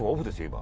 今。